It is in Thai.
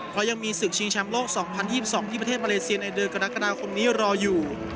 เพราะยังมีศึกชิงแชมป์โลก๒๐๒๒ที่ประเทศมาเลเซียในเดือนกรกฎาคมนี้รออยู่